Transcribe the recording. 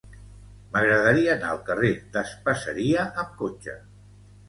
M'agradaria anar al carrer d'Espaseria amb cotxe.